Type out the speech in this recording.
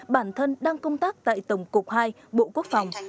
bản thân đang công tác tại tổng cục hai bộ quốc phòng